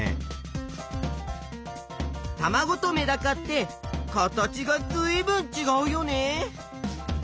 たまごとメダカって形がずいぶんちがうよね。